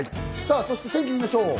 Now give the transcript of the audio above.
そして天気見ましょう。